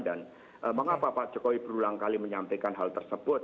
dan mengapa pak jokowi berulang kali menyampaikan hal tersebut